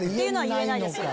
言えないです。